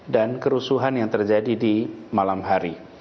dan kerusuhan yang terjadi di malam hari